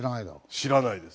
知らないです。